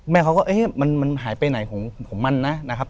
เขาก็เอ๊ะมันหายไปไหนของมันนะครับ